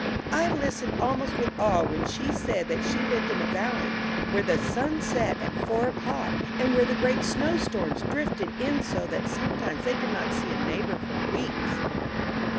I listened almost with awe when she said that she lived in a valley where the sun set at four o'clock, and where the great snowstorms drifted in so that sometimes they did not see a neighbor for weeks.